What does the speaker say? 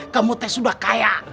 kamu teh sudah kaya